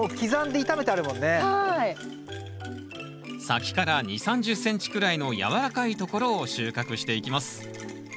先から２０３０ｃｍくらいの軟らかいところを収穫していきます